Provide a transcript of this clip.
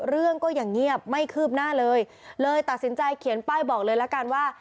เรื่องก็ยังเงียบไม่คืบหน้าเลยเลยตัดสินใจเขียนป้ายบอกเลยละกันว่า